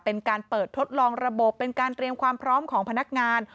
เป็นการเปิดทดลองระบบเป็นการเตรียมความพร้อมของพนักงาน